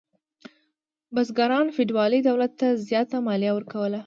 بزګرانو فیوډالي دولت ته زیاته مالیه ورکوله.